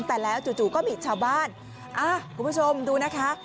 แต่แล้วจู่ก็มีชาวบ้านคุณผู้ชมดูนะคะ